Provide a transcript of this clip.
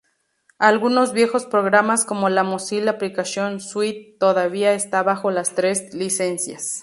Algunos viejos programas como la Mozilla Application Suite todavía están bajo las tres licencias.